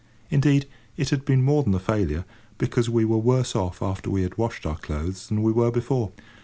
Indeed, it had been more than a failure, because we were worse off after we had washed our clothes than we were before.